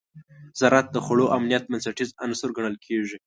زراعت د خوړو امنیت بنسټیز عنصر ګڼل کېږي.